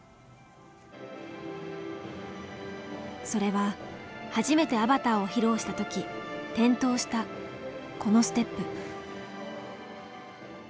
それは初めて「アバター」を披露した時転倒したこのステップ。